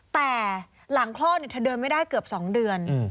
แต่หลังคลอดเธอเดินไม่ได้เกือบ๒เดือน